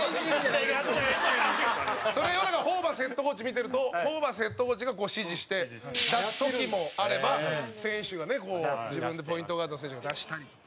澤部：それをホーバスヘッドコーチ見てるとホーバスヘッドコーチが指示して出す時もあれば、選手がね自分で、ポイントガードの選手が出したりとか。